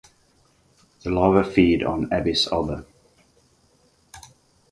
The larvae feed on "Abies alba".